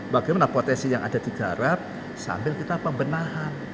bagaimana potensi yang ada digarap sambil kita pembenahan